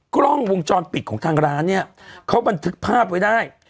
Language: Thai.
กล้องวงจรปิดของทางร้านเนี่ยเขาบันทึกภาพไว้ได้